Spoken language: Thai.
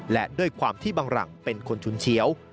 และด้วยความที่บังหลังเป็นคนฉุนเฉียว